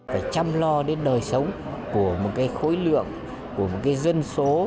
phải chăm lo đến đời sống của một cái khối lượng của một cái dân số